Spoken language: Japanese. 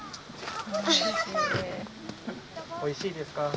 おいしいですか？